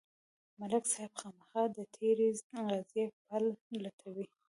ملک صاحب خامخا د تېرې قضیې پل لټوي.